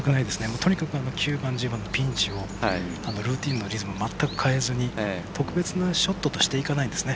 とにかく９番、１０番のピンチをルーティンのリズム全く変えずに特別なショットとしていかないんですね。